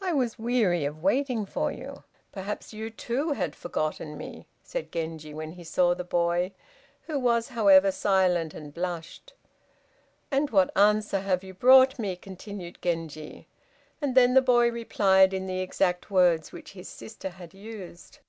"I was weary of waiting for you. Perhaps you, too, had forgotten me," said Genji, when he saw the boy, who was, however, silent and blushed. "And what answer have you brought me?" continued Genji, and then the boy replied in the exact words which his sister had used.